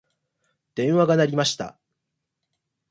電話が鳴りました。